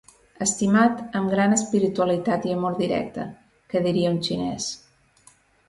Estimat amb gran espiritualitat i amor directe, que diria un xinès.